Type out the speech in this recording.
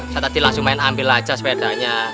saya tadi langsung main ambil aja sepedanya